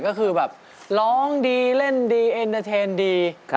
ก็คือแบบร้องดีเล่นดีเอ็นเตอร์เทนดี